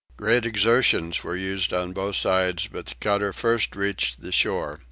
Great exertions were used on both sides but the cutter first reached the shore.